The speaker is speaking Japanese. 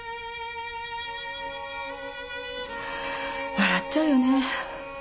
笑っちゃうよね